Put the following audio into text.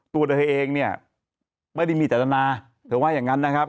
ตัวเธอเองเนี่ยไม่ได้มีจัตนาเธอว่าอย่างนั้นนะครับ